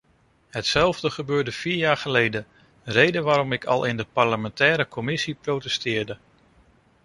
Hetzelfde gebeurde vier jaar geleden, reden waarom ik al in de parlementaire commissie protesteerde.